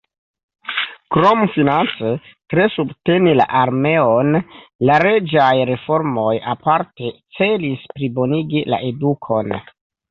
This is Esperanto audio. Krom finance tre subteni la armeon, la reĝaj reformoj aparte celis plibonigi la edukon.